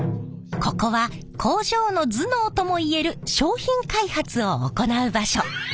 ここは工場の頭脳ともいえる商品開発を行う場所。